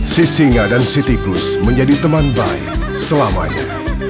si singa dan si tikus menjadi teman baik selamanya